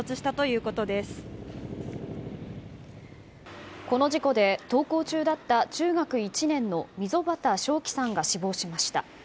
この事故で、登校中だった中学１年の溝端星輝さんが死亡しました。